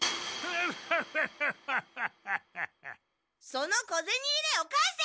その小ゼニ入れを返せ！